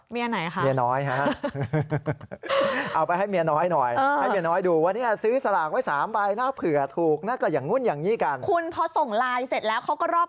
เมียไหนครับเมียน้อยครับ